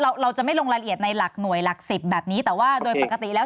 เราจะไม่ลงรายละเอียดในหลักหน่วยหลักสิบแบบนี้แต่ว่าโดยปกติแล้ว